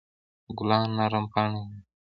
ګلان نرم پاڼې لري.